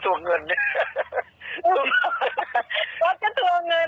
ต้องนึกว่าตัวเองโทรมาทวงเงิน